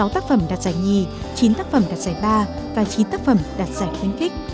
sáu tác phẩm đạt giải nhì chín tác phẩm đạt giải ba và chín tác phẩm đạt giải khuyến khích